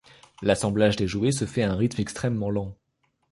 L'assemblage des jouets se fait à un rythme extrêmement lent.